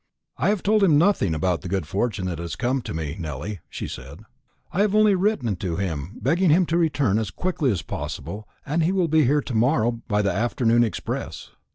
'I have told him nothing about the good fortune that has come to me, Nelly,' she said; 'I have only written to him, begging him to return as quickly as possible, and he will be here to morrow by the afternoon express.'